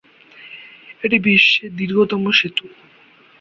এটি বিশ্বের দীর্ঘতম সেতু।